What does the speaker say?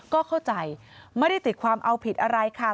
ก็เข้าใจไม่ได้ติดความเอาผิดอะไรค่ะ